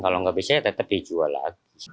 kalau gak bisa tetap dijual lagi